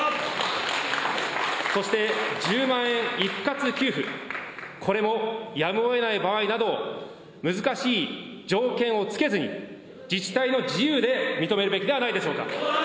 そして、１０万円一括給付、これもやむをえない場合など、難しい条件をつけずに自治体の自由で認めるべきではないでしょうか。